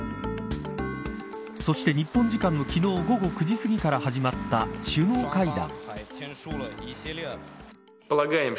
そして日本時間の昨日午後９時すぎから始まった首脳会談。